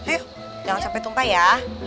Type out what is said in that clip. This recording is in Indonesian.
eh jangan sampai tumpah ya